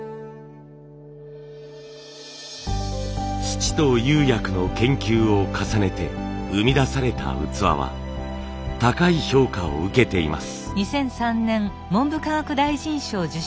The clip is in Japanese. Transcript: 土と釉薬の研究を重ねて生み出された器は高い評価を受けています。